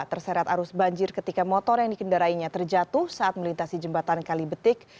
terseret arus banjir ketika motor yang dikendarainya terjatuh saat melintasi jembatan kalibetik